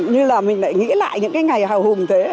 như là mình lại nghĩ lại những cái ngày hào hùng thế